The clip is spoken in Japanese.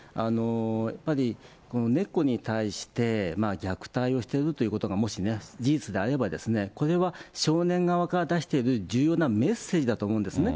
やっぱり猫に対して、虐待をしてるということがもしね、事実であれば、これは少年側が出してる重要なメッセージだと思うんですね。